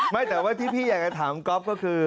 ไม่แต่ว่าที่พี่อยากจะถามก๊อฟก็คือ